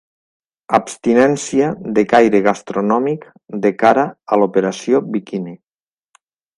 Abstinència de caire gastronòmic, de cara a l'operació biquini.